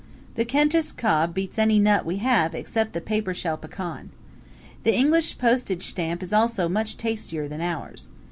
The Kentish cob beats any nut we have except the paper shell pecan. The English postage stamp is also much tastier than ours.